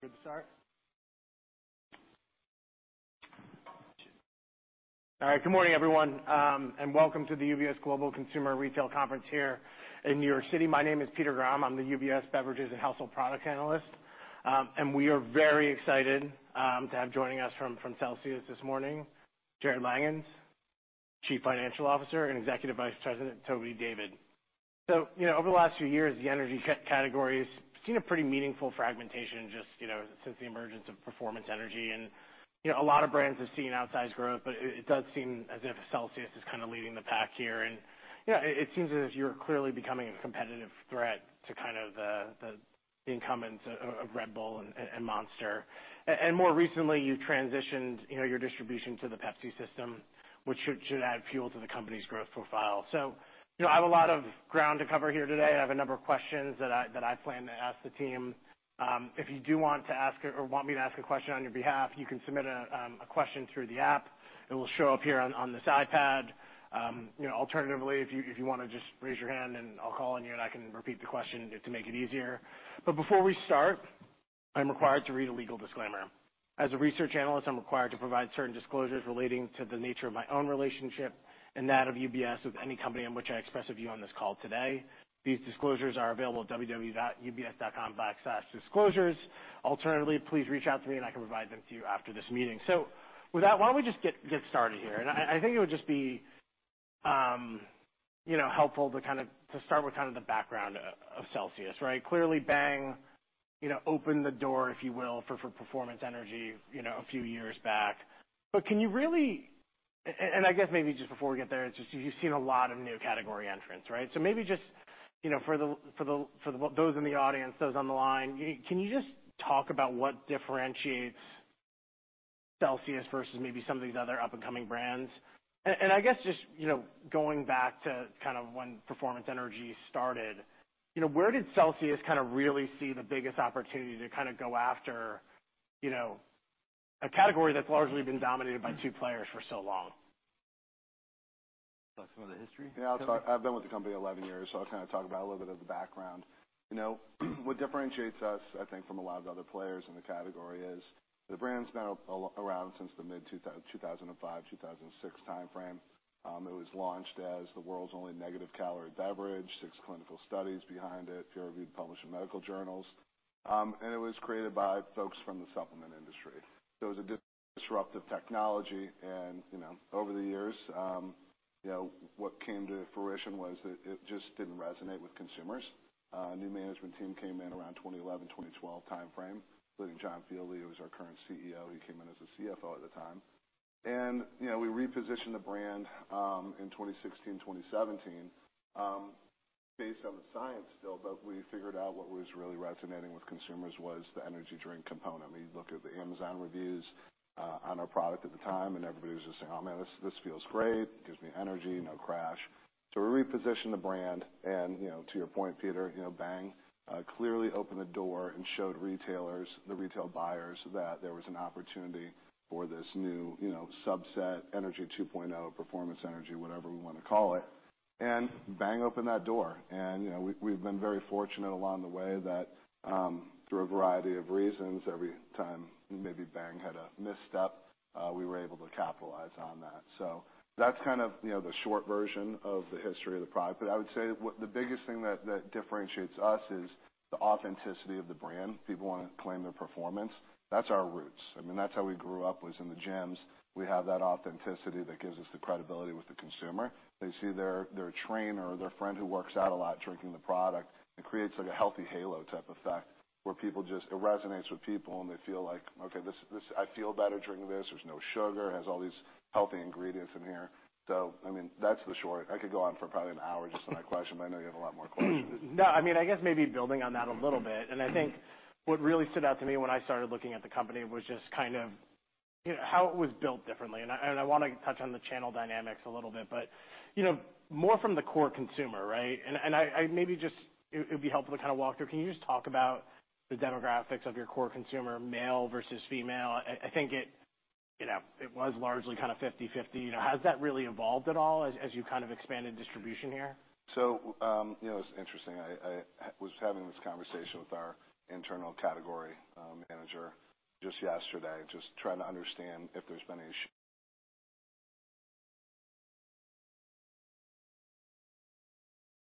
Good start. All right. Good morning, everyone, and welcome to the UBS Global Consumer Retail Conference here in New York City. My name is Peter Grom. I'm the UBS Beverages and Household Products analyst. We are very excited to have joining us from Celsius this morning, Jarrod Langhans, Chief Financial Officer, and Executive Vice President, Toby David. You know, over the last few years, the energy categories have seen a pretty meaningful fragmentation just, you know, since the emergence of Performance Energy. You know, a lot of brands have seen outsized growth, but it does seem as if Celsius is kind of leading the pack here. You know, it seems as if you're clearly becoming a competitive threat to kind of the incumbents of Red Bull and Monster. More recently, you know, you transitioned your distribution to the Pepsi system, which should add fuel to the company's growth profile. You know, I have a lot of ground to cover here today. I have a number of questions that I plan to ask the team. If you do want to ask or want me to ask a question on your behalf, you can submit a question through the app. It will show up here on this iPad. You know, alternatively, if you wanna just raise your hand, and I'll call on you, and I can repeat the question to make it easier. Before we start, I'm required to read a legal disclaimer. As a research analyst, I'm required to provide certain disclosures relating to the nature of my own relationship and that of UBS with any company in which I express a view on this call today. These disclosures are available at www.ubs.com/disclosures. Alternatively, please reach out to me, and I can provide them to you after this meeting. With that, why don't we just get started here? I think it would just be, you know, helpful to kind of, to start with kind of the background of Celsius, right? Clearly, Bang, you know, opened the door, if you will, for Performance Energy, you know, a few years back. Can you really? I guess maybe just before we get there, it's just you've seen a lot of new category entrants, right? Maybe just, you know, for the, those in the audience, those on the line, can you just talk about what differentiates Celsius versus maybe some of these other up-and-coming brands? I guess just, you know, going back to kind of when Performance Energy started, you know, where did Celsius kind of really see the biggest opportunity to kind of go after, you know, a category that's largely been dominated by two players for so long? Talk some of the history? Yeah. I've been with the company 11 years, I'll kind of talk about a little bit of the background. You know, what differentiates us, I think, from a lot of the other players in the category is the brand's been around since the mid 2005, 2006 timeframe. It was launched as the world's only negative calorie beverage, six clinical studies behind it, peer-reviewed, published in medical journals. It was created by folks from the supplement industry. It was a disruptive technology, you know, over the years, what came to fruition was that it just didn't resonate with consumers. New management team came in around 2011, 2012 timeframe, including John Fieldly, who's our current CEO. He came in as a CFO at the time. You know, we repositioned the brand in 2016, 2017, based on the science still, but we figured out what was really resonating with consumers was the energy drink component. We looked at the Amazon reviews on our product at the time, and everybody was just saying, "Oh, man, this feels great, gives me energy, no crash." We repositioned the brand and, you know, to your point, Peter, you know, Bang clearly opened the door and showed retailers, the retail buyers that there was an opportunity for this new, you know, subset Energy 2.0, Performance Energy, whatever we wanna call it. Bang opened that door. You know, we've been very fortunate along the way that through a variety of reasons, every time maybe Bang had a misstep, we were able to capitalize on that. That's kind of, you know, the short version of the history of the product. I would say what the biggest thing that differentiates us is the authenticity of the brand. People wanna claim their performance. That's our roots. I mean, that's how we grew up was in the gyms. We have that authenticity that gives us the credibility with the consumer. They see their trainer or their friend who works out a lot drinking the product. It creates like a healthy halo type effect where people just... It resonates with people, and they feel like, "Okay, I feel better drinking this. There's no sugar. It has all these healthy ingredients in here." I mean, that's the short. I could go on for probably an hour just on that question, but I know you have a lot more questions. No, I mean, I guess maybe building on that a little bit, I think what really stood out to me when I started looking at the company was just kind of, you know, how it was built differently. I wanna touch on the channel dynamics a little bit, but, you know, more from the core consumer, right? I maybe just it'd be helpful to kind of walk through. Can you just talk about the demographics of your core consumer, male versus female? I think it, you know, it was largely kind of 50/50. You know, has that really evolved at all as you kind of expanded distribution here? You know, it's interesting. I was having this conversation with our internal category manager just yesterday, just trying to understand if there's been a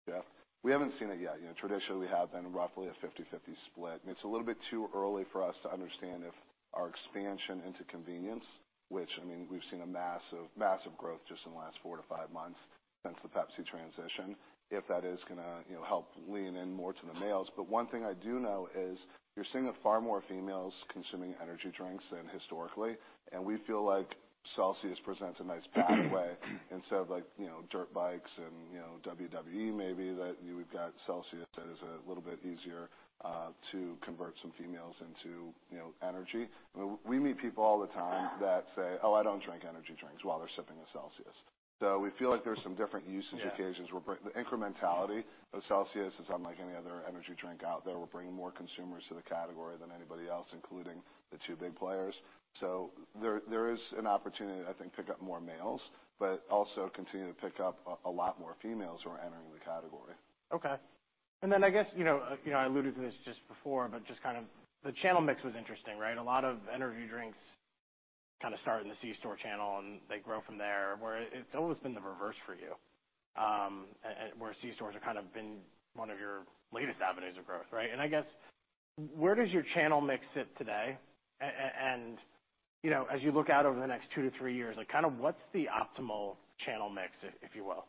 Yeah. We haven't seen it yet. You know, traditionally, we have been roughly a 50/50 split, and it's a little bit too early for us to understand if our expansion into convenience, which, I mean, we've seen a massive growth just in the last four-five months since the Pepsi transition, if that is gonna, you know, help lean in more to the males. One thing I do know is you're seeing that far more females consuming energy drinks than historically, and we feel like Celsius presents a nice pathway instead of like, you know, dirt bikes and, you know, WWE maybe that we've got Celsius that is a little bit easier to convert some females into, you know, energy. We meet people all the time that say, "Oh, I don't drink energy drinks," while they're sipping a Celsius. We feel like there's some different usage occasions. Yeah. The incrementality of Celsius is unlike any other energy drink out there. We're bringing more consumers to the category than anybody else, including the two big players. There is an opportunity to, I think, pick up more males, but also continue to pick up a lot more females who are entering the category. Okay. I guess, you know, I alluded to this just before, but just kind of the channel mix was interesting, right? A lot of energy drinks kind of start in the C store channel and they grow from there, where it's always been the reverse for you, where C stores have kind of been one of your latest avenues of growth, right? You know, as you look out over the next two-three years, like kind of what's the optimal channel mix, if you will?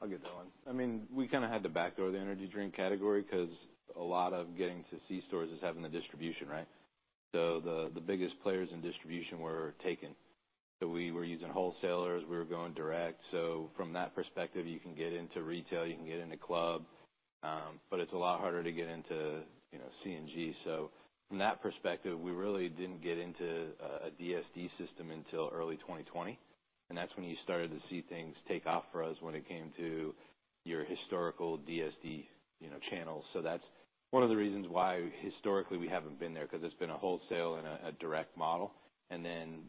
I'll get that one. I mean, we kind of had to back door the energy drink category because a lot of getting to C-stores is having the distribution, right? The biggest players in distribution were taken. We were using wholesalers, we were going direct. From that perspective, you can get into retail, you can get into club, but it's a lot harder to get into, you know, C&G. From that perspective, we really didn't get into a DSD system until early 2020, and that's when you started to see things take off for us when it came to your historical DSD, you know, channels. That's one of the reasons why historically we haven't been there, because it's been a wholesale and a direct model.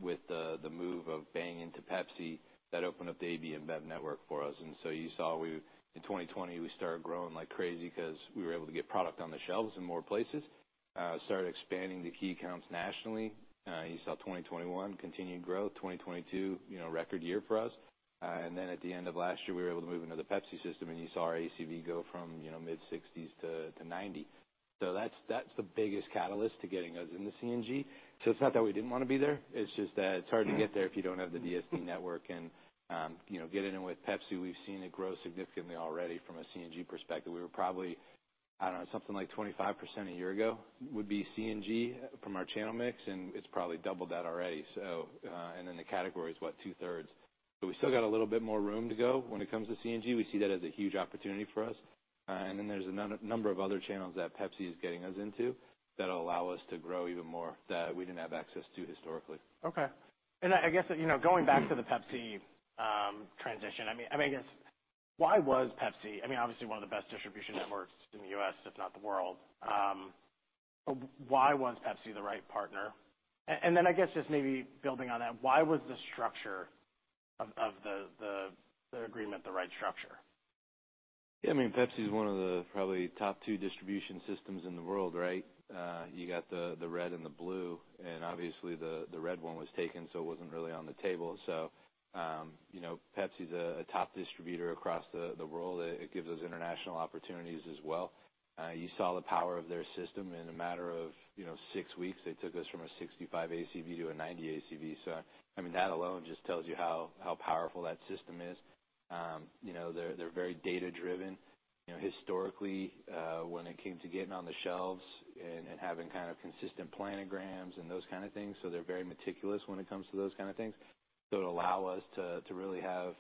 With the move of Bang Energy into Pepsi, that opened up the AB InBev network for us. You saw in 2020, we started growing like crazy because we were able to get product on the shelves in more places, started expanding the key accounts nationally. You saw 2021 continued growth, 2022, you know, record year for us. At the end of last year, we were able to move into the Pepsi system, and you saw our ACV go from, you know, mid-60s to 90. That's the biggest catalyst to getting us in the C&G. It's not that we didn't want to be there, it's just that it's hard to get there if you don't have the DSD network. You know, getting in with Pepsi, we've seen it grow significantly already from a C&G perspective. We were probably, I don't know, something like 25% a year ago would be C&G from our channel mix, and it's probably double that already. The category is, what, 2/3. We still got a little bit more room to go when it comes to C&G. We see that as a huge opportunity for us. There's a number of other channels that Pepsi is getting us into that allow us to grow even more that we didn't have access to historically. Okay. I guess, you know, going back to the Pepsi transition, I mean, I guess why was Pepsi, obviously one of the best distribution networks in the U.S., if not the world, but why was Pepsi the right partner? Then I guess just maybe building on that, why was the structure of the agreement the right structure? Yeah, I mean, Pepsi is one of the probably top two distribution systems in the world, right? You got the red and the blue, and obviously the red one was taken, so it wasn't really on the table. You know, Pepsi is a top distributor across the world. It gives us international opportunities as well. You saw the power of their system. In a matter of, you know, six weeks, they took us from a 65 ACV to a 90 ACV. I mean, that alone just tells you how powerful that system is. You know, they're very data-driven. You know, historically, when it came to getting on the shelves and having kind of consistent planograms and those kind of things, so they're very meticulous when it comes to those kind of things. It'll allow us to really have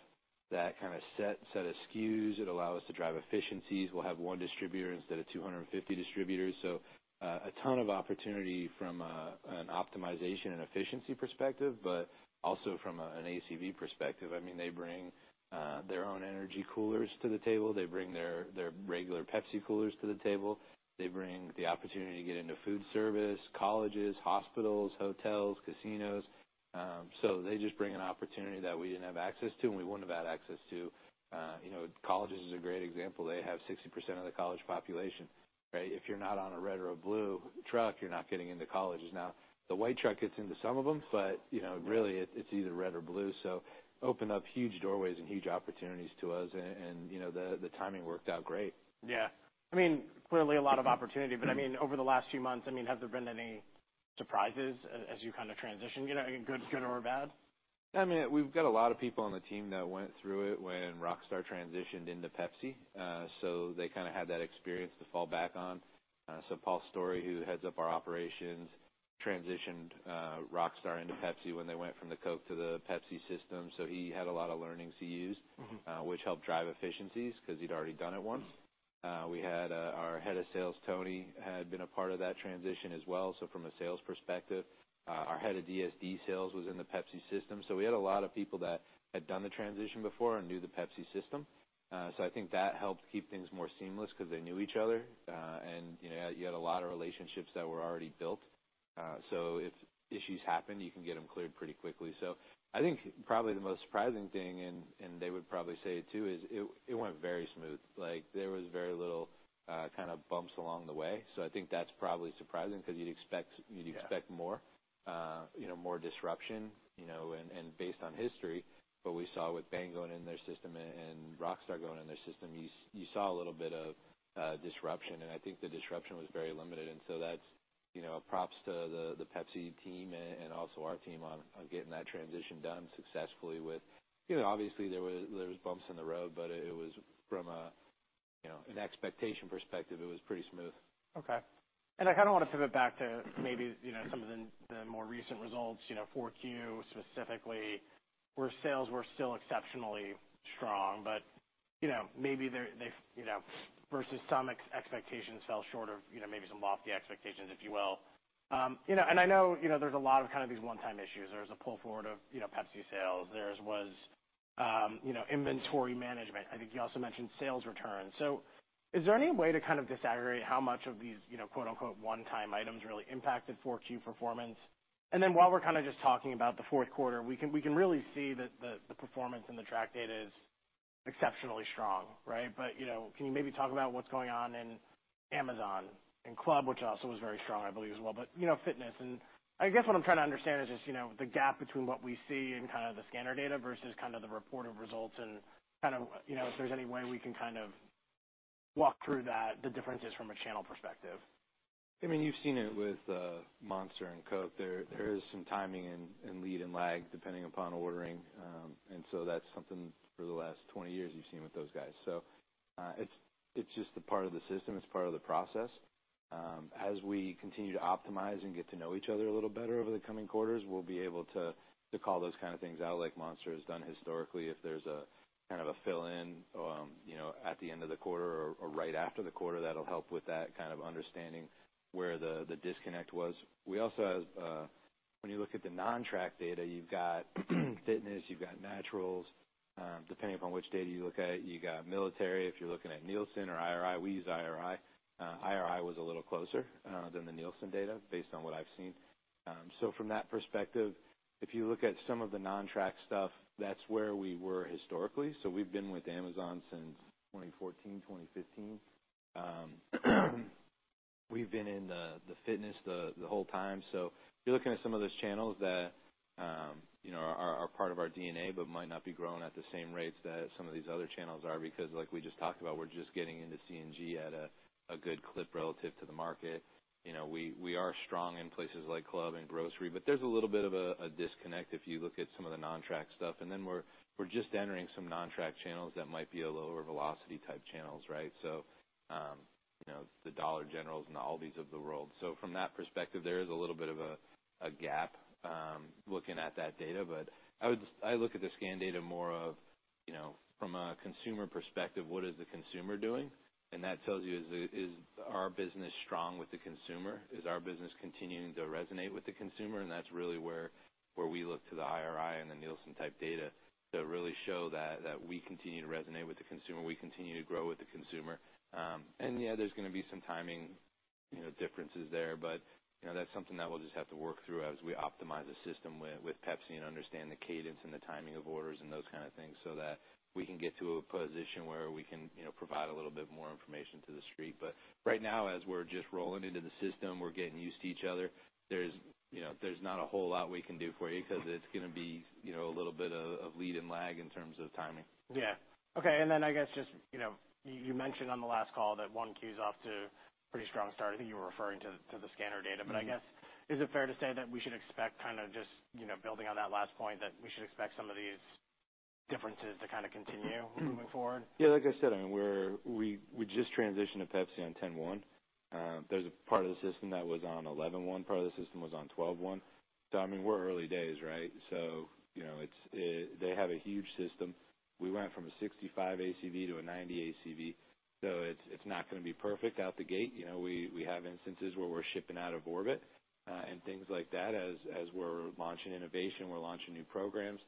that kind of set of SKUs. It'll allow us to drive efficiencies. We'll have one distributor instead of 250 distributors. A ton of opportunity from an optimization and efficiency perspective, but also from an ACV perspective. I mean, they bring their own energy coolers to the table. They bring their regular Pepsi coolers to the table. They bring the opportunity to get into food service, colleges, hospitals, hotels, casinos. They just bring an opportunity that we didn't have access to, and we wouldn't have had access to. You know, colleges is a great example. They have 60% of the college population, right? If you're not on a red or a blue truck, you're not getting into colleges. The white truck gets into some of them, but, you know, really it's either red or blue. Opened up huge doorways and huge opportunities to us. You know, the timing worked out great. Yeah. I mean, clearly a lot of opportunity, but I mean, over the last few months, I mean, have there been any surprises as you kind of transition, you know, good or bad? I mean, we've got a lot of people on the team that went through it when Rockstar transitioned into Pepsi, so they kind of had that experience to fall back on. Paul Storey, who heads up our operations, transitioned Rockstar into Pepsi when they went from the Coca-Cola to the Pepsi system. He had a lot of learnings to use- Mm-hmm ...which helped drive efficiencies because he'd already done it once. We had our head of sales, Tony, had been a part of that transition as well. From a sales perspective, our head of DSD sales was in the Pepsi system. We had a lot of people that had done the transition before and knew the Pepsi system. I think that helped keep things more seamless because they knew each other, and, you know, you had a lot of relationships that were already built. If issues happen, you can get them cleared pretty quickly. I think probably the most surprising thing, and they would probably say it too, is it went very smooth. Like, there was very little kind of bumps along the way. I think that's probably surprising because you'd expect more, you know, more disruption, you know, based on history. We saw with Bang going in their system and Rockstar going in their system, you saw a little bit of disruption, and I think the disruption was very limited. That's, you know, props to the Pepsi team and also our team on getting that transition done successfully with. You know, obviously, there was bumps in the road, but it was from an expectation perspective, it was pretty smooth. I kind of want to pivot back to maybe, you know, some of the more recent results, you know, 4Q specifically, where sales were still exceptionally strong. You know, maybe they're, they've, you know, versus some expectations fell short of, you know, maybe some lofty expectations, if you will. You know, and I know, you know, there's a lot of kind of these one-time issues. There's a pull forward of, you know, Pepsi sales. There's, you know, inventory management. I think you also mentioned sales returns. Is there any way to kind of disaggregate how much of these, you know, quote-unquote "one-time items" really impacted 4Q performance? Then while we're kind of just talking about the fourth quarter, we can, we can really see that the performance and the track data is exceptionally strong, right? You know, can you maybe talk about what's going on in Amazon and club, which also was very strong, I believe, as well. You know, fitness and I guess what I'm trying to understand is just, you know, the gap between what we see in kind of the scanner data versus kind of the reported results and kind of, you know, if there's any way we can kind of walk through that, the differences from a channel perspective. I mean, you've seen it with Monster and Coca-Cola. There is some timing and lead and lag depending upon ordering. That's something for the last 20 years you've seen with those guys. It's just a part of the system. It's part of the process. As we continue to optimize and get to know each other a little better over the coming quarters, we'll be able to call those kind of things out like Monster has done historically. If there's a kind of a fill-in, you know, at the end of the quarter or right after the quarter, that'll help with that kind of understanding where the disconnect was. We also have, when you look at the non-track data, you've got fitness, you've got naturals, depending upon which data you look at. You got military, if you're looking at Nielsen or IRI. We use IRI. IRI was a little closer than the Nielsen data based on what I've seen. From that perspective, if you look at some of the non-track stuff, that's where we were historically. We've been with Amazon since 2014, 2015. We've been in the fitness the whole time. If you're looking at some of those channels that, you know, are part of our DNA but might not be growing at the same rates that some of these other channels are because like we just talked about, we're just getting into C&G at a good clip relative to the market. You know, we are strong in places like club and grocery, but there's a little bit of a disconnect if you look at some of the non-track stuff. We're just entering some non-track channels that might be a lower velocity type channels, right? You know, the Dollar General and the Aldi of the world. From that perspective, there is a little bit of a gap looking at that data. I look at the scan data more of, you know, from a consumer perspective, what is the consumer doing? That tells you is our business strong with the consumer? Is our business continuing to resonate with the consumer? That's really where we look to the IRI and the Nielsen type data to really show that we continue to resonate with the consumer, we continue to grow with the consumer. Yeah, there's gonna be some timing, you know, differences there, but, you know, that's something that we'll just have to work through as we optimize the system with Pepsi and understand the cadence and the timing of orders and those kind of things so that we can get to a position where we can, you know, provide a little bit more information to the street. Right now, as we're just rolling into the system, we're getting used to each other. There's, you know, there's not a whole lot we can do for you because it's gonna be, you know, a little bit of lead and lag in terms of timing. Yeah. Okay. I guess just, you know, you mentioned on the last call that 1Q's off to pretty strong start. I think you were referring to the scanner data. I guess, is it fair to say that we should expect kind of just, you know, building on that last point, that we should expect some of these differences to kind of continue moving forward? Like I said, I mean, we just transitioned to Pepsi on 10/1. There's a part of the system that was on 11/1, part of the system was on 12/1. I mean, we're early days, right? You know, it's, they have a huge system. We went from a 65 ACV to a 90 ACV. It's not gonna be perfect out the gate. You know, we have instances where we're shipping out of Orbit, and things like that as we're launching innovation, we're launching new programs.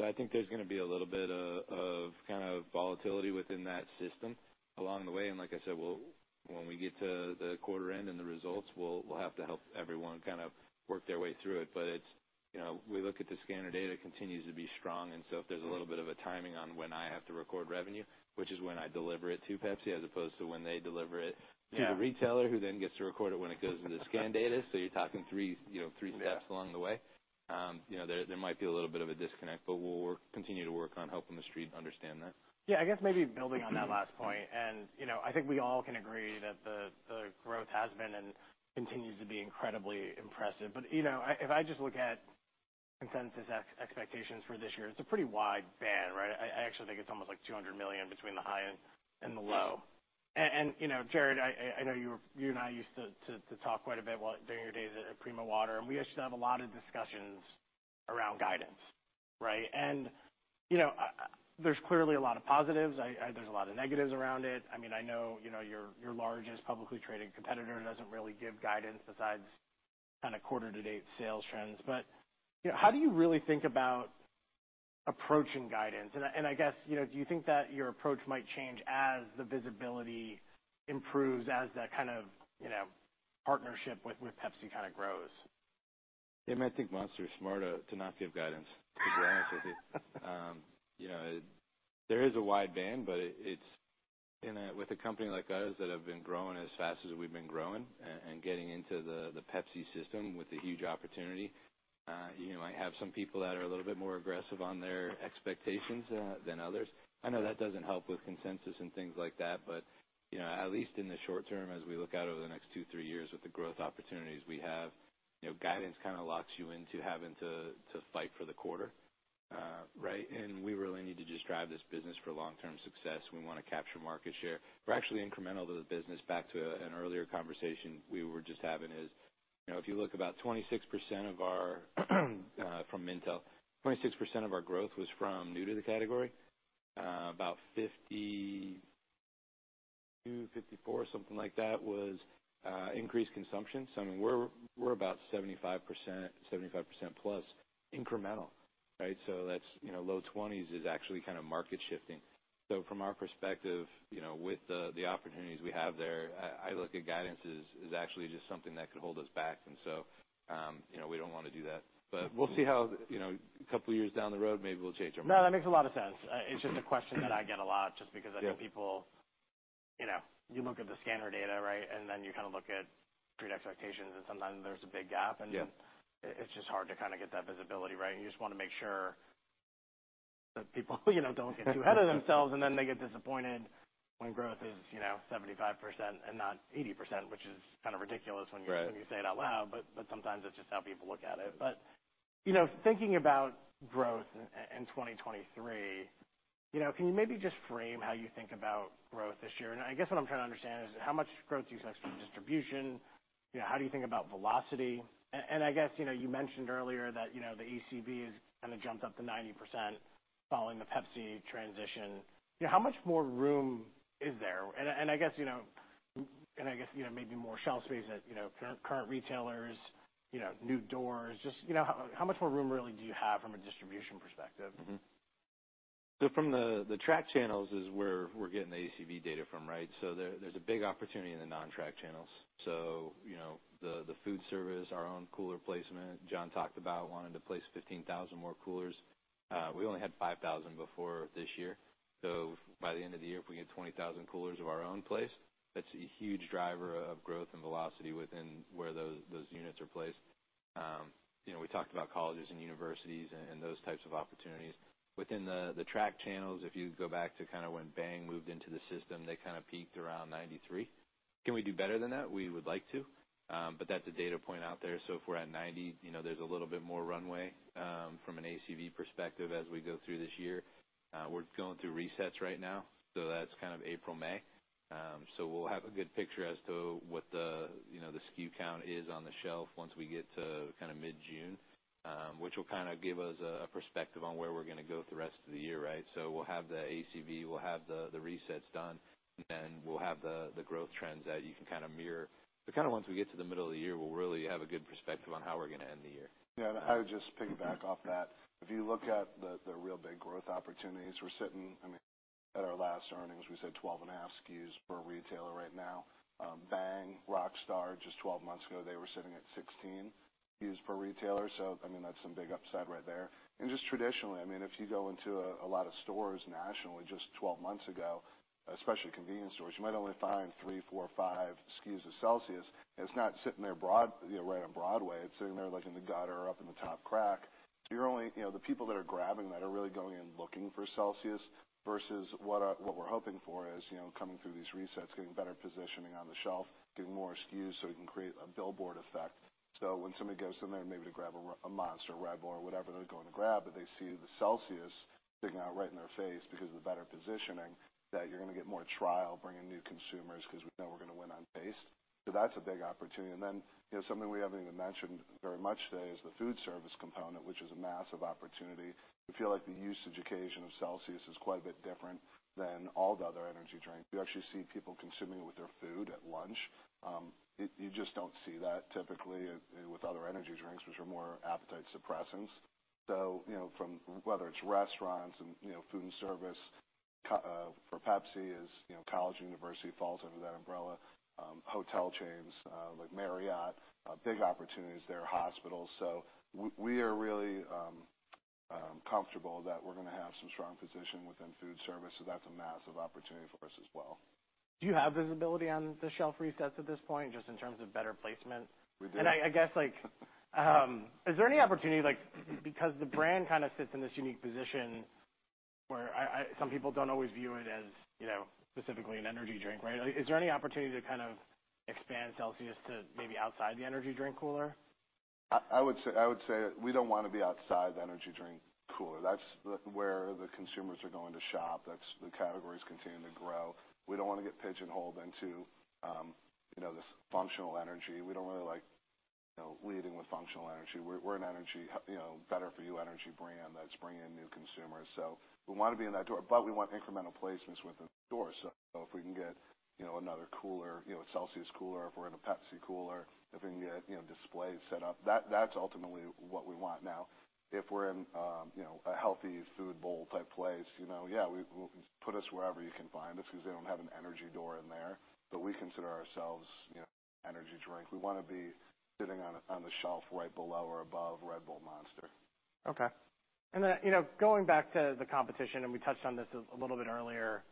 I think there's gonna be a little bit of kind of volatility within that system along the way. Like I said, when we get to the quarter end and the results, we'll have to help everyone kind of work their way through it. It's, you know, we look at the scanner data continues to be strong, and so if there's a little bit of a timing on when I have to record revenue, which is when I deliver it to Pepsi as opposed to when they deliver it. Yeah. to the retailer who then gets to record it when it goes into the scan data. You're talking three, you know, three steps along the way. You know, there might be a little bit of a disconnect. We'll continue to work on helping the street understand that. Yeah. I guess maybe building on that last point, you know, I think we all can agree that the growth has been and continues to be incredibly impressive. You know, if I just look at consensus expectations for this year, it's a pretty wide band, right? I actually think it's almost like $200 million between the high and the low. You know, Jarrod, I know you and I used to talk quite a bit during your days at Primo Water, and we used to have a lot of discussions around guidance, right? You know, there's clearly a lot of positives. There's a lot of negatives around it. I mean, I know, you know, your largest publicly traded competitor doesn't really give guidance besides kind of quarter-to-date sales trends. You know, how do you really think about approaching guidance? I guess, you know, do you think that your approach might change as the visibility improves, as that kind of, you know, partnership with Pepsi kind of grows? Yeah, man, I think Monster is smart to not give guidance, to be honest with you. You know, there is a wide band, but it's with a company like us that have been growing as fast as we've been growing and getting into the Pepsi system with the huge opportunity, you know, I have some people that are a little bit more aggressive on their expectations than others. I know that doesn't help with consensus and things like that, but, you know, at least in the short term, as we look out over the next two, three years with the growth opportunities we have, you know, guidance kinda locks you into having to fight for the quarter, right? We really need to just drive this business for long-term success. We wanna capture market share. We're actually incremental to the business back to an earlier conversation we were just having is, you know, if you look about 26% of our from Mintel, 26% of our growth was from new to the category. About 52%, 54%, something like that was increased consumption. I mean, we're about 75%+ incremental, right? That's, you know, low twenties is actually kind of market shifting. From our perspective, you know, with the opportunities we have there, I look at guidance as actually just something that could hold us back. You know, we don't wanna do that. We'll see how, you know, a couple of years down the road, maybe we'll change our mind. No, that makes a lot of sense. It's just a question that I get a lot just because I think You know, you look at the scanner data, right? You kind of look at street expectations, and sometimes there's a big gap. Yeah. It, it's just hard to kind of get that visibility, right? You just wanna make sure that people, you know, don't get too ahead of themselves, and then they get disappointed when growth is, you know, 75% and not 80%, which is kind of ridiculous. Right. When you say it out loud. Sometimes that's just how people look at it. You know, thinking about growth in 2023, you know, can you maybe just frame how you think about growth this year? I guess what I'm trying to understand is how much growth do you expect from distribution? You know, how do you think about velocity? I guess, you know, you mentioned earlier that, you know, the ACV has kind of jumped up to 90% following the Pepsi transition. You know, how much more room is there? I guess, you know... I guess, you know, maybe more shelf space at, you know, current retailers, you know, new doors. Just, you know, how much more room really do you have from a distribution perspective? From the track channels is where we're getting the ACV data from, right? There's a big opportunity in the non-track channels. You know, the food service, our own cooler placement, John talked about wanting to place 15,000 more coolers. We only had 5,000 before this year. By the end of the year, if we get 20,000 coolers of our own placed, that's a huge driver of growth and velocity within where those units are placed. You know, we talked about colleges and universities and those types of opportunities. Within the track channels, if you go back to kind of when Bang moved into the system, they kind of peaked around 93. Can we do better than that? We would like to, but that's a data point out there. If we're at 90, you know, there's a little bit more runway from an ACV perspective as we go through this year. We're going through resets right now, so that's kind of April, May. We'll have a good picture as to what the, you know, the SKU count is on the shelf once we get to kind of mid-June, which will kind of give us a perspective on where we're gonna go with the rest of the year, right? We'll have the ACV, we'll have the resets done, and we'll have the growth trends that you can kind of mirror. Kind of once we get to the middle of the year, we'll really have a good perspective on how we're gonna end the year. Yeah, I would just piggyback off that. If you look at the real big growth opportunities, we're sitting, I mean, at our last earnings, we said 12.5 SKUs per retailer right now. Bang, Rockstar, just 12 months ago, they were sitting at 16 SKUs per retailer, so I mean, that's some big upside right there. Just traditionally, I mean, if you go into a lot of stores nationally just 12 months ago, especially convenience stores, you might only find three, four, five SKUs of Celsius. It's not sitting there broad, you know, right on Broadway. It's sitting there, like, in the gutter or up in the top crack. You're only... You know, the people that are grabbing that are really going in looking for Celsius versus what we're hoping for is, you know, coming through these resets, getting better positioning on the shelf, getting more SKUs so we can create a billboard effect. When somebody goes in there maybe to grab a Monster, Red Bull, or whatever they're going to grab, but they see the Celsius sitting out right in their face because of the better positioning, that you're gonna get more trial, bring in new consumers because we know we're gonna win on taste. That's a big opportunity. Then, you know, something we haven't even mentioned very much today is the food service component, which is a massive opportunity. We feel like the usage occasion of Celsius is quite a bit different than all the other energy drinks. You actually see people consuming it with their food at lunch. You just don't see that typically with other energy drinks, which are more appetite suppressants. You know, from whether it's restaurants and, you know, food service, for Pepsi is, you know, college and university falls under that umbrella. Hotel chains, like Marriott, big opportunities there, hospitals. We are really comfortable that we're gonna have some strong position within food service, so that's a massive opportunity for us as well. Do you have visibility on the shelf resets at this point, just in terms of better placement? We do. I guess, like, is there any opportunity, like, because the brand kind of sits in this unique position where I some people don't always view it as, you know, specifically an energy drink, right? Is there any opportunity to kind of expand Celsius to maybe outside the energy drink cooler? I would say we don't wanna be outside the energy drink cooler. That's where the consumers are going to shop. That's the category's continuing to grow. We don't wanna get pigeonholed into, you know, this functional energy. We don't really like, you know, leading with functional energy. We're an energy, you know, better for you energy brand that's bringing in new consumers. We wanna be in that door, but we want incremental placements within the door. If we can get, you know, another cooler, you know, a Celsius cooler, if we're in a Pepsi cooler, if we can get, you know, displays set up, that's ultimately what we want. If we're in, you know, a healthy food bowl type place, you know, yeah, put us wherever you can find us because they don't have an energy door in there. We consider ourselves, you know, energy drink. We want to be sitting on the shelf right below or above Red Bull, Monster. Okay. You know, going back to the competition, we touched on this a little bit earlier,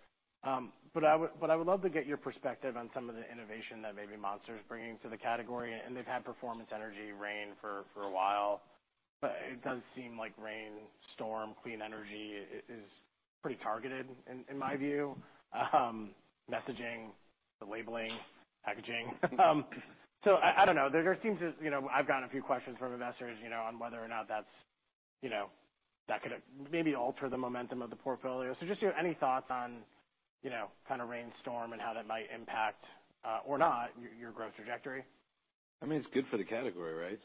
but I would love to get your perspective on some of the innovation that maybe Monster's bringing to the category, and they've had Performance Energy Reign for a while. It does seem like Reign Storm, Clean Energy is pretty targeted in my view. Messaging, the labeling, packaging. I don't know. There seems to... You know, I've gotten a few questions from investors, you know, on whether or not that's, you know, that could maybe alter the momentum of the portfolio. Just, you know, any thoughts on, you know, kind of Reign Storm, and how that might impact or not your growth trajectory? I mean, it's good for the category, right?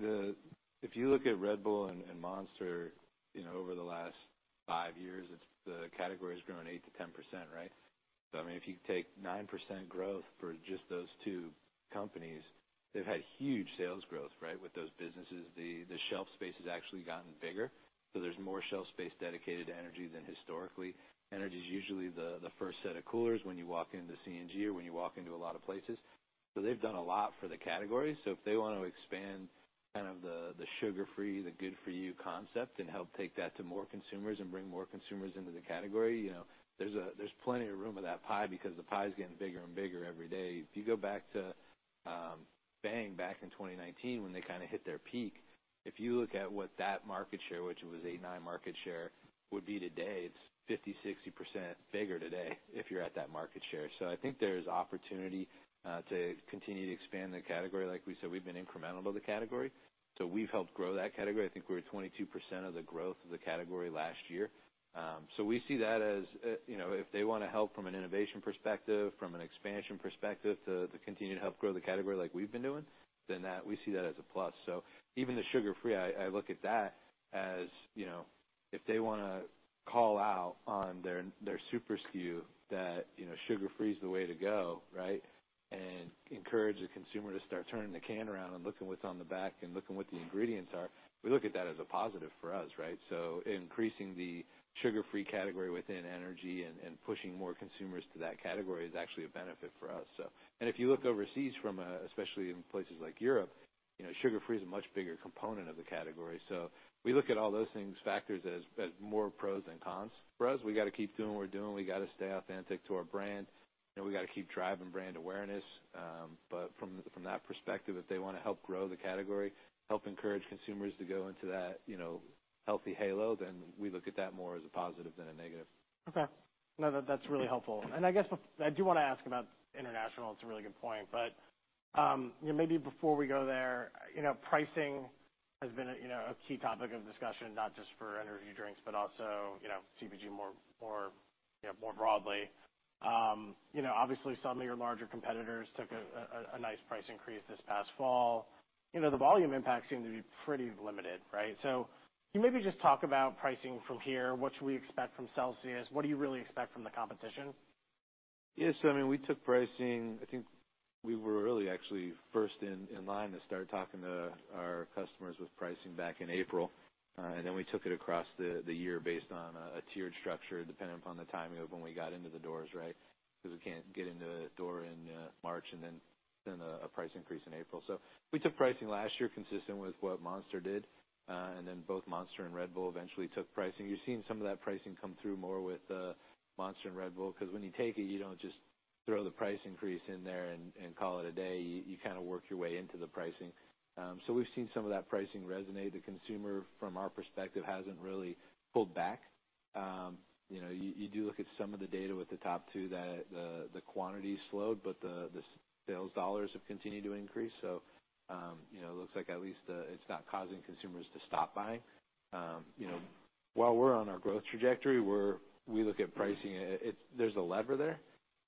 The if you look at Red Bull and Monster, you know, over the last five years, the category's grown 8%-10%, right? I mean, if you take 9% growth for just those two companies, they've had huge sales growth, right, with those businesses. The shelf space has actually gotten bigger, so there's more shelf space dedicated to energy than historically. Energy's usually the first set of coolers when you walk into C&G or when you walk into a lot of places. They've done a lot for the category. If they wanna expand kind of the sugar-free, the good-for-you concept and help take that to more consumers and bring more consumers into the category, you know, there's plenty of room in that pie because the pie is getting bigger and bigger every day. If you go back to Bang back in 2019 when they kinda hit their peak, if you look at what that market share, which was eight, nine market share, would be today, it's 50%, 60% bigger today if you're at that market share. I think there's opportunity to continue to expand the category. Like we said, we've been incremental to the category, so we've helped grow that category. I think we're at 22% of the growth of the category last year. We see that as, if they wanna help from an innovation perspective, from an expansion perspective to continue to help grow the category like we've been doing, we see that as a plus. Even the sugar-free, I look at that as, if they wanna call out on their super SKU that sugar-free is the way to go, right? Encourage the consumer to start turning the can around and looking what's on the back and looking what the ingredients are, we look at that as a positive for us, right? Increasing the sugar-free category within energy and pushing more consumers to that category is actually a benefit for us. If you look overseas from, especially in places like Europe, sugar-free is a much bigger component of the category. We look at all those things, factors as more pros than cons for us. We gotta keep doing what we're doing. We gotta stay authentic to our brand, and we gotta keep driving brand awareness. From that perspective, if they wanna help grow the category, help encourage consumers to go into that, you know, health halo, then we look at that more as a positive than a negative. Okay. No, that's really helpful. I guess I do wanna ask about international. It's a really good point. You know, maybe before we go there, you know, pricing has been a, you know, a key topic of discussion, not just for energy drinks, but also, you know, CPG, you know, more broadly. You know, obviously some of your larger competitors took a nice price increase this past fall. You know, the volume impact seemed to be pretty limited, right? Can you maybe just talk about pricing from here? What should we expect from Celsius? What do you really expect from the competition? Yes. I mean, we took pricing. I think we were really actually first in line to start talking to our customers with pricing back in April. Then we took it across the year based on a tiered structure, depending upon the timing of when we got into the doors, right? Because we can't get into a door in March and then a price increase in April. We took pricing last year consistent with what Monster did. Then both Monster and Red Bull eventually took pricing. You're seeing some of that pricing come through more with Monster and Red Bull, because when you take it, you don't just throw the price increase in there and call it a day. You kinda work your way into the pricing. We've seen some of that pricing resonate. The consumer, from our perspective, hasn't really pulled back. You know, you do look at some of the data with the top two that the quantity slowed, but the sales dollars have continued to increase. You know, looks like at least it's not causing consumers to stop buying. You know, while we're on our growth trajectory, we look at pricing, there's a lever there.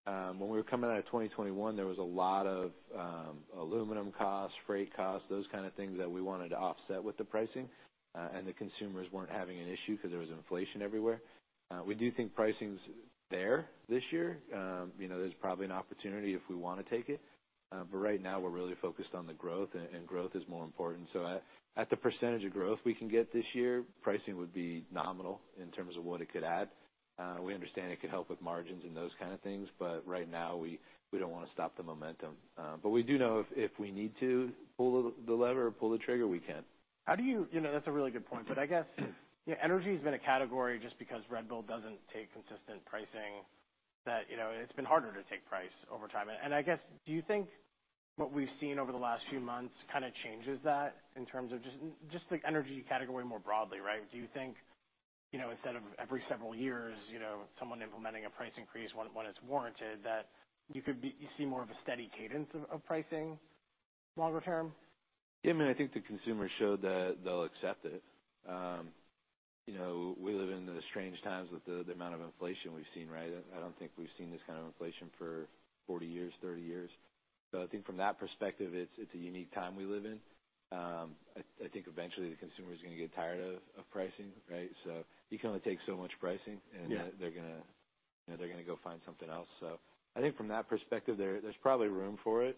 You know, when we were coming out of 2021, there was a lot of aluminum costs, freight costs, those kind of things that we wanted to offset with the pricing, and the consumers weren't having an issue because there was inflation everywhere. We do think pricing's there this year. You know, there's probably an opportunity if we wanna take it. Right now, we're really focused on the growth, and growth is more important. At the percentage of growth we can get this year, pricing would be nominal in terms of what it could add. We understand it could help with margins and those kind of things, right now we don't wanna stop the momentum. We do know if we need to pull the lever or pull the trigger, we can. You know, that's a really good point. I guess, you know, energy's been a category just because Red Bull doesn't take consistent pricing that, you know, it's been harder to take price over time. I guess, do you think what we've seen over the last few months kinda changes that in terms of just the energy category more broadly, right? Do you think, you know, instead of every several years, you know, someone implementing a price increase when it's warranted, you see more of a steady cadence of pricing longer term? Yeah, I mean, I think the consumer showed that they'll accept it. You know, we live in strange times with the amount of inflation we've seen, right? I don't think we've seen this kind of inflation for 40 years, 30 years. I think from that perspective, it's a unique time we live in. I think eventually the consumer is gonna get tired of pricing, right? You can only take so much pricing, and then- Yeah they're gonna, you know, they're gonna go find something else. I think from that perspective, there's probably room for it.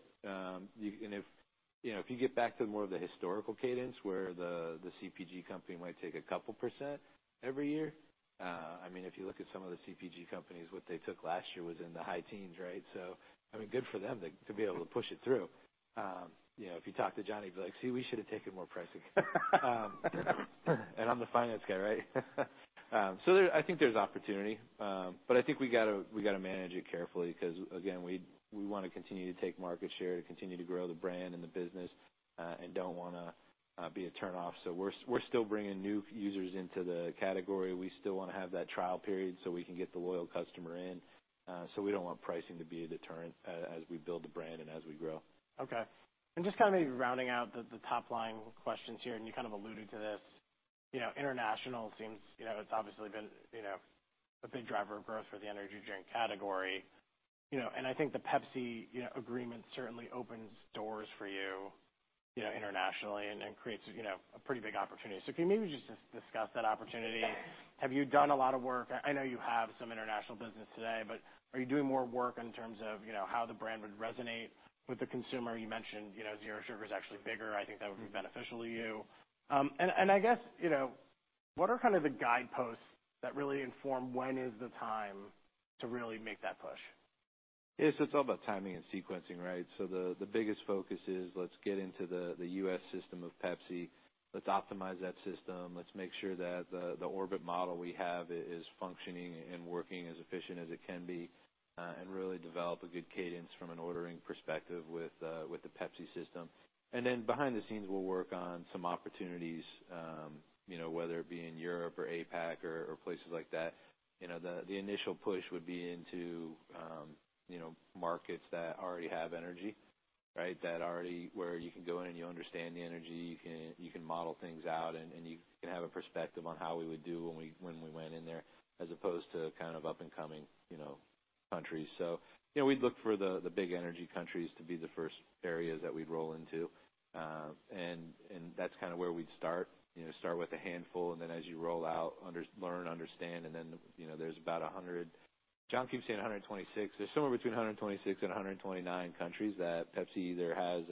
You know, if you get back to more of the historical cadence where the CPG company might take a couple percent every year, I mean, if you look at some of the CPG companies, what they took last year was in the high teens, right? I mean, good for them to be able to push it through. You know, if you talk to Johnny, he'd be like, "See, we should have taken more pricing." I'm the finance guy, right? I think there's opportunity. I think we gotta, we gotta manage it carefully because again, we wanna continue to take market share, to continue to grow the brand and the business, and don't wanna be a turn-off. We're still bringing new users into the category. We still wanna have that trial period, so we can get the loyal customer in. We don't want pricing to be a deterrent as we build the brand and as we grow. Okay. Just kinda maybe rounding out the top line questions here, and you kind of alluded to this. You know, international seems, you know, it's obviously been, you know, a big driver of growth for the energy drink category. You know, I think the Pepsi, you know, agreement certainly opens doors for you know, internationally and creates, you know, a pretty big opportunity. Can you maybe just discuss that opportunity? Have you done a lot of work? I know you have some international business today, but are you doing more work in terms of, you know, how the brand would resonate with the consumer? You mentioned, you know, zero sugar is actually bigger. I think that would be beneficial to you. I guess, you know, What are kind of the guideposts that really inform when is the time to really make that push? Yes, it's all about timing and sequencing, right? The biggest focus is let's get into the U.S. system of Pepsi. Let's optimize that system. Let's make sure that the Orbit model we have is functioning and working as efficient as it can be, and really develop a good cadence from an ordering perspective with the Pepsi system. Behind the scenes, we'll work on some opportunities, you know, whether it be in Europe or APAC or places like that. You know, the initial push would be into, you know, markets that already have energy, right? That already where you can go in and you understand the energy, you can model things out and you can have a perspective on how we would do when we went in there as opposed to kind of up and coming, you know, countries. We'd look for the big energy countries to be the first areas that we'd roll into. And that's kind of where we'd start. Start with a handful, and then as you roll out, learn, understand, and then, you know, there's about 100... John keeps saying 126. There's somewhere between 126 and 129 countries that Pepsi either has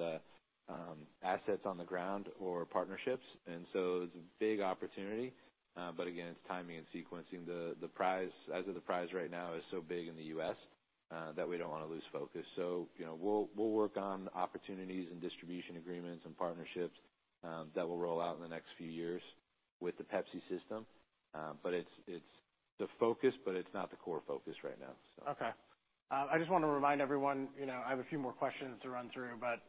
assets on the ground or partnerships. It's a big opportunity. But again, it's timing and sequencing. The size of the prize right now is so big in the U.S. that we don't wanna lose focus. You know, we'll work on opportunities and distribution agreements and partnerships that will roll out in the next few years with the Pepsi system. It's the focus, but it's not the core focus right now. Okay. I just wanna remind everyone, you know, I have a few more questions to run through, but,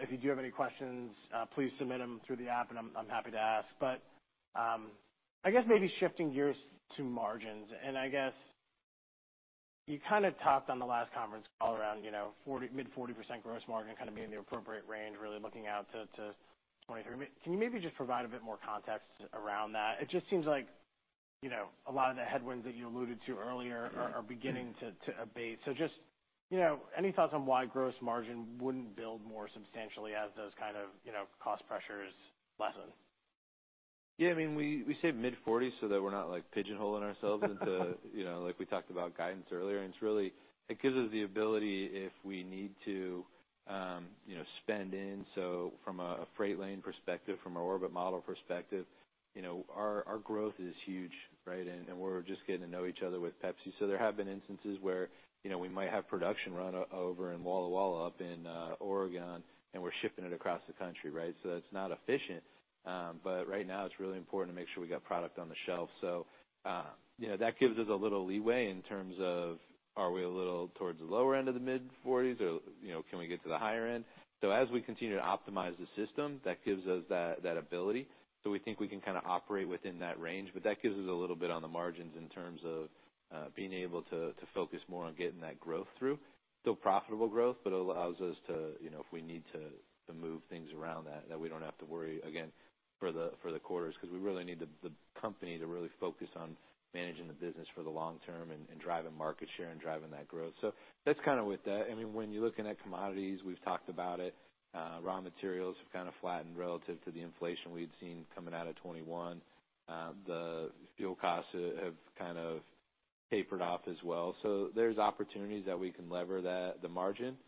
if you do have any questions, please submit them through the app and I'm happy to ask. I guess maybe shifting gears to margins, I guess you kind of talked on the last conference call around, you know, mid 40% gross margin kind of being the appropriate range, really looking out to 2023. Can you maybe just provide a bit more context around that? It just seems like, you know, a lot of the headwinds that you alluded to earlier are beginning to abate. Just, you know, any thoughts on why gross margin wouldn't build more substantially as those kind of, you know, cost pressures lessen? Yeah. I mean, we say mid-40s so that we're not like pigeonholing ourselves into, you know, like we talked about guidance earlier. It's really, it gives us the ability if we need to, you know, spend in, so from a freight lane perspective, from our Orbit model perspective, you know, our growth is huge, right? We're just getting to know each other with Pepsi. There have been instances where, you know, we might have production run over in Walla Walla up in Oregon, and we're shipping it across the country, right? That's not efficient. Right now it's really important to make sure we got product on the shelf. You know, that gives us a little leeway in terms of are we a little towards the lower end of the mid forties or, you know, can we get to the higher end. As we continue to optimize the system, that gives us that ability. We think we can kind of operate within that range, but that gives us a little bit on the margins in terms of being able to focus more on getting that growth through. Still profitable growth, but allows us to, you know, if we need to move things around that we don't have to worry again for the, for the quarters. 'Cause we really need the company to really focus on managing the business for the long term and driving market share and driving that growth. That's kind of with that. I mean, when you're looking at commodities, we've talked about it, raw materials have kind of flattened relative to the inflation we'd seen coming out of 2021. The fuel costs have kind of tapered off as well. There's opportunities that we can lever that, the margin,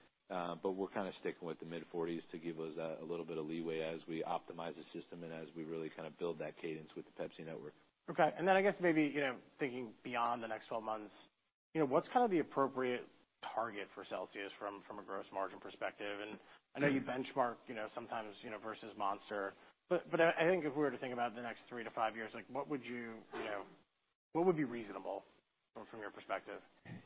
but we're kind of sticking with the mid-40s to give us a little bit of leeway as we optimize the system and as we really kind of build that cadence with the Pepsi network. I guess maybe, you know, thinking beyond the next 12 months, you know, what's kind of the appropriate target for Celsius from a gross margin perspective? I know you benchmark, you know, sometimes, you know, versus Monster. I think if we were to think about the next three-five years, like what would you know, what would be reasonable from your perspective?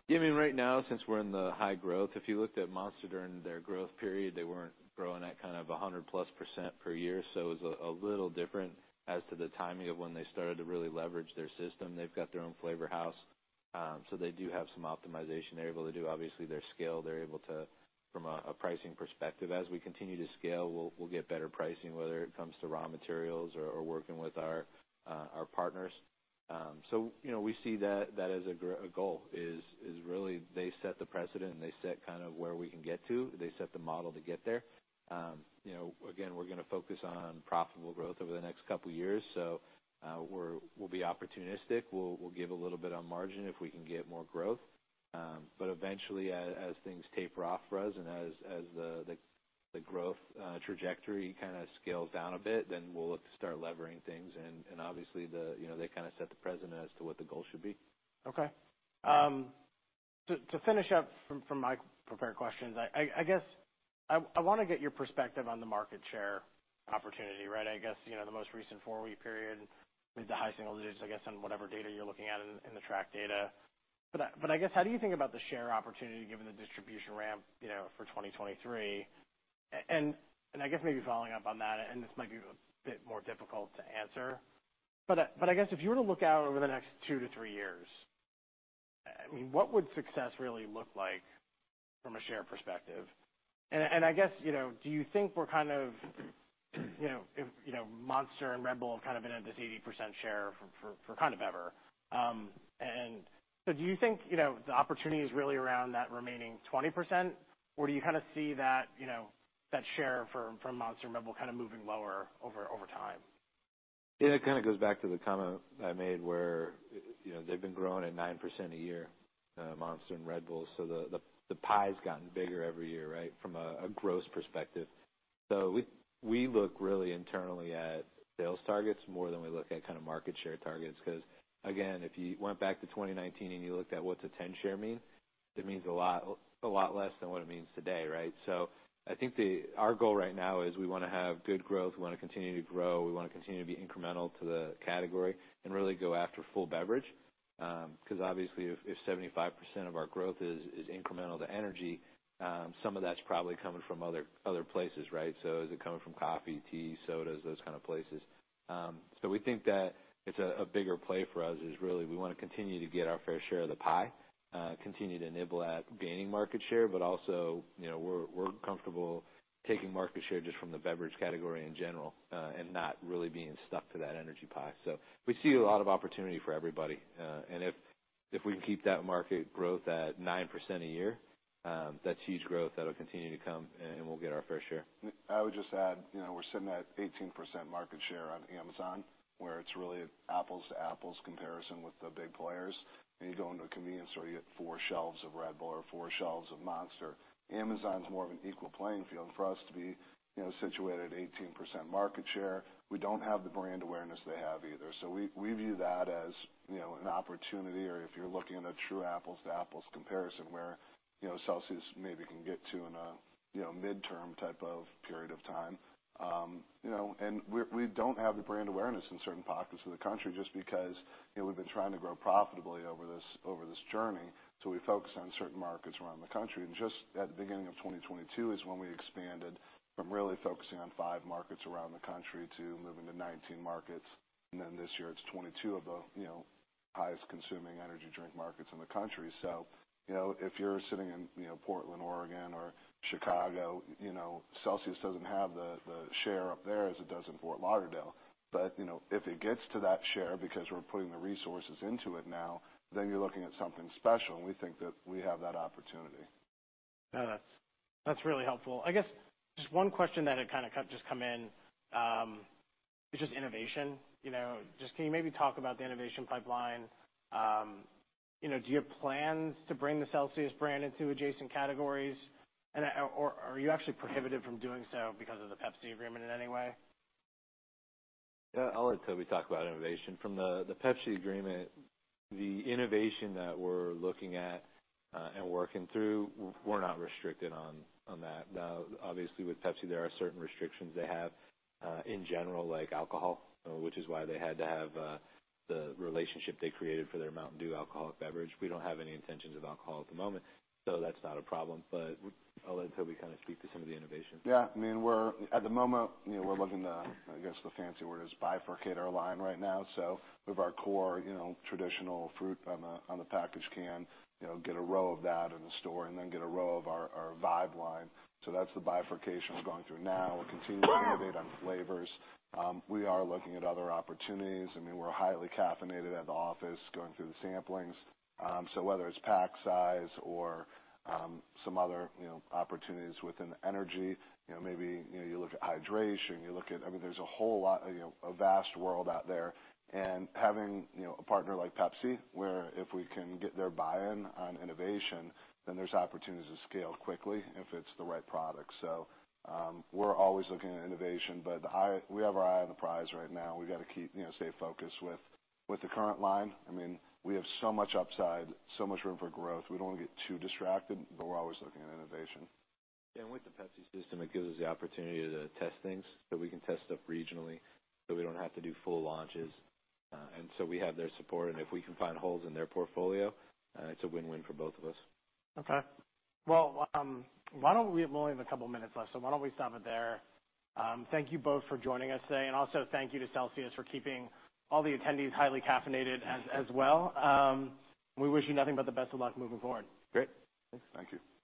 Yeah, I mean, right now, since we're in the high growth, if you looked at Monster during their growth period, they weren't growing at kind of 100+% per year. It was a little different as to the timing of when they started to really leverage their system. They've got their own flavor house, so they do have some optimization they're able to do. Obviously, their scale, they're able to, from a pricing perspective. As we continue to scale, we'll get better pricing, whether it comes to raw materials or working with our partners. You know, we see that as a goal, is really they set the precedent and they set kind of where we can get to. They set the model to get there. you know, again, we're gonna focus on profitable growth over the next couple years. We'll be opportunistic. We'll give a little bit on margin if we can get more growth. Eventually as things taper off for us and as the growth trajectory kind of scales down a bit, we'll look to start levering things and obviously the, you know, they kind of set the precedent as to what the goal should be. Okay. To finish up from my prepared questions, I guess I wanna get your perspective on the market share opportunity, right? I guess, you know, the most recent four week period is the high single digits, I guess, on whatever data you're looking at in the track data. How do you think about the share opportunity given the distribution ramp, you know, for 2023? I guess maybe following up on that, and this might be a bit more difficult to answer, but I guess if you were to look out over the next two-three years, I mean, what would success really look like from a share perspective? I guess, you know, do you think we're kind of, you know, if, you know, Monster and Red Bull have kind of been at this 80% share for kind of ever, and so do you think, you know, the opportunity is really around that remaining 20%, or do you kind of see that, you know, that share from Monster and Red Bull kind of moving lower over time? Yeah, it kind of goes back to the comment I made where, you know, they've been growing at 9% a year, Monster and Red Bull. The pie's gotten bigger every year, right? From a gross perspective. We look really internally at sales targets more than we look at kind of market share targets. 'Cause again, if you went back to 2019 and you looked at what's a 10 share mean, it means a lot less than what it means today, right? I think our goal right now is we wanna have good growth, we wanna continue to grow, we wanna continue to be incremental to the category and really go after full beverage. 'Cause obviously if 75% of our growth is incremental to energy, some of that's probably coming from other places, right? Is it coming from coffee, tea, sodas, those kind of places? We think that it's a bigger play for us, is really we wanna continue to get our fair share of the pie, continue to nibble at gaining market share, but also, you know, we're comfortable taking market share just from the beverage category in general, and not really being stuck to that energy pie. We see a lot of opportunity for everybody. If we can keep that market growth at 9% a year, that's huge growth that'll continue to come and we'll get our fair share. I would just add, you know, we're sitting at 18% market share on Amazon, where it's really apples to apples comparison with the big players. When you go into a convenience store, you get four shelves of Red Bull or four shelves of Monster. Amazon's more of an equal playing field for us to be, you know, situated at 18% market share. We don't have the brand awareness they have either. We view that as, you know, an opportunity or if you're looking at a true apples to apples comparison where, you know, Celsius maybe can get to in a, you know, midterm type of period of time. you know, and we don't have the brand awareness in certain pockets of the country just because, you know, we've been trying to grow profitably over this journey, so we focused on certain markets around the country. Just at the beginning of 2022 is when we expanded from really focusing on five markets around the country to moving to 19 markets, and then this year it's 22 of the, you know, highest consuming energy drink markets in the country. you know, if you're sitting in, you know, Portland, Oregon or Chicago, you know, Celsius doesn't have the share up there as it does in Fort Lauderdale. you know, if it gets to that share because we're putting the resources into it now, then you're looking at something special, and we think that we have that opportunity. Yeah, that's really helpful. I guess just one question that had just come in, is just innovation. You know, just can you maybe talk about the innovation pipeline? You know, do you have plans to bring the Celsius brand into adjacent categories? Or are you actually prohibited from doing so because of the Pepsi agreement in any way? Yeah, I'll let Toby talk about innovation. From the Pepsi agreement, the innovation that we're looking at and working through, we're not restricted on that. Now, obviously with Pepsi there are certain restrictions they have in general like alcohol, which is why they had to have the relationship they created for their Mountain Dew alcoholic beverage. We don't have any intentions of alcohol at the moment, so that's not a problem. I'll let Toby kind of speak to some of the innovation. Yeah. I mean, at the moment, you know, we're looking to, I guess, the fancy word is bifurcate our line right now. We have our core, you know, traditional fruit on the package can, you know, get a row of that in the store and then get a row of our VIBE line. That's the bifurcation we're going through now. We're continuing to innovate on flavors. We are looking at other opportunities. I mean, we're highly caffeinated at the office going through the samplings. Whether it's pack size or some other, you know, opportunities within energy, you know, maybe, you know, you look at hydration, you look at. I mean, there's a whole lot, you know, a vast world out there. Having, you know, a partner like Pepsi, where if we can get their buy-in on innovation, then there's opportunities to scale quickly if it's the right product. We're always looking at innovation, but we have our eye on the prize right now. We've got to keep, you know, stay focused with the current line. I mean, we have so much upside, so much room for growth. We don't wanna get too distracted, but we're always looking at innovation. With the Pepsi system, it gives us the opportunity to test things, so we can test stuff regionally, so we don't have to do full launches. We have their support, and if we can find holes in their portfolio, it's a win-win for both of us. Okay. Well, we only have a couple minutes left, so why don't we stop it there? Thank you both for joining us today, and also thank you to Celsius for keeping all the attendees highly caffeinated as well. We wish you nothing but the best of luck moving forward. Great. Thanks. Thank you.